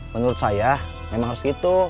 menurut saya memang harus gitu